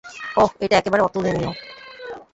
ওহ, এটা একেবারে অতুলনীয়।